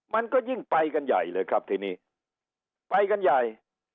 มันก็ยิ่งไปกันใหญ่เลยครับทีนี้ไปกันใหญ่